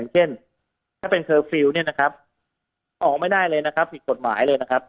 เช่นถ้าเป็นเซอร์ฟิวออกไม่ได้เลยผิดกฎหมาย